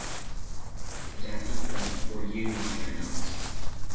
Adapted from "For You" liner notes.